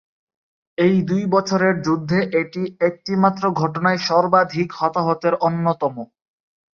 এই দুই বছরের যুদ্ধে এটি একটি মাত্র ঘটনায় সর্বাধিক হতাহতের অন্যতম।